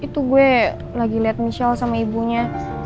itu gue lagi lihat michelle sama ibunya